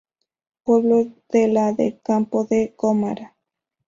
Pueblo de la de Campo de Gómara.